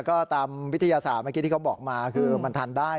ก็ตามวิทยาศาสตร์เมื่อกี้ที่เขาบอกมาคือมันทันได้